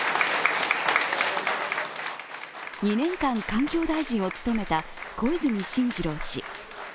２年間環境大臣を務めた小泉進次郎氏。